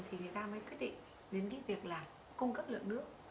thì người ta mới quyết định đến cái việc là cung cấp lượng nước